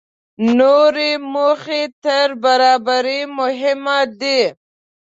نورې موخې تر برابرۍ مهمې دي.